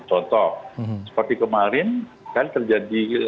contoh seperti kemarin kan terjadi